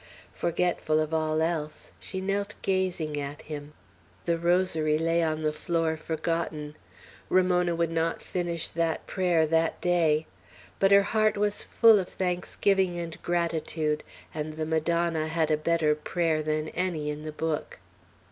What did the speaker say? Forgetful of all else, she knelt gazing at him. The rosary lay on the floor, forgotten. Ramona would not finish that prayer, that day. But her heart was full of thanksgiving and gratitude, and the Madonna had a better prayer than any in the book.